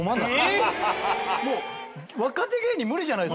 もう若手芸人無理じゃないですか。